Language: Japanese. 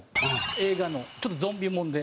映画のちょっとゾンビもので。